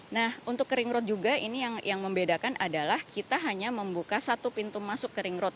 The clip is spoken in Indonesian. nah untuk kering road juga ini yang membedakan adalah kita hanya membuka satu pintu masuk ke ring road